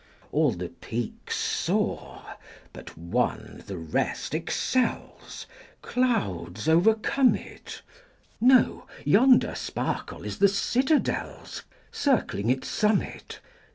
All the peaks soar, but one the rest excels; Clouds overcome it; No! yonder sparkle is the citadel's Circling its summit.